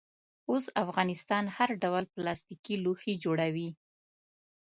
اوس افغانستان هر ډول پلاستیکي لوښي جوړوي.